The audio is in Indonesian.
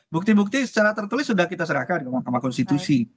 bukti bukti secara tertulis sudah kita serahkan ke mahkamah konstitusi